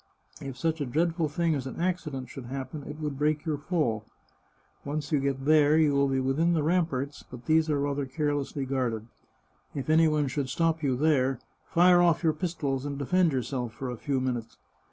If such a dreadful thing as an accident should happen it would break your fall. Once you get there you will be within the ram parts, but these are rather carelessly guarded. If any one should stop you there, fire off your pistols, and defend your self for a few minutes.